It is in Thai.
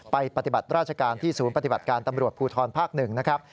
ปฏิบัติราชการที่ศูนย์ปฏิบัติการตำรวจภูทรภาค๑นะครับ